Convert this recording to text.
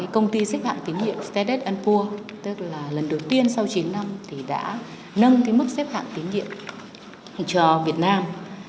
công ty xếp hạng tín nhiệm steaded poor tức là lần đầu tiên sau chín năm đã nâng mức xếp hạng tín nhiệm cho việt nam